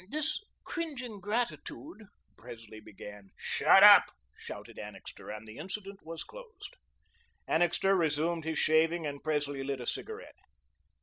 "This cringing gratitude " Presley began. "Shut up," shouted Annixter, and the incident was closed. Annixter resumed his shaving, and Presley lit a cigarette.